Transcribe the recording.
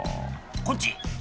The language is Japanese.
こっち！